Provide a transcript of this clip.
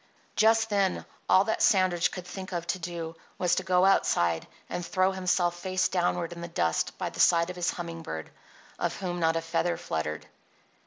Just then all that Sandridge could think of to do was to go outside and throw himself face downward in the dust by the side of his humming bird, of whom not a feather fluttered.